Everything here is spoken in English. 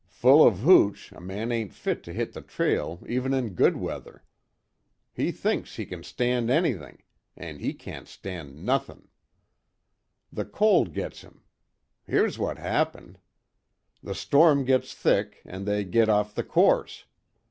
Full of hooch, a man ain't fit to hit the trail even in good weather. He thinks he kin stand anything an' he can't stand nothin'. The cold gits him. Here's what happened. The storm gits thick, an' they git off the course.